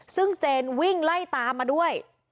ซึ่งเจนวิ่งไล่ตามมาด้วย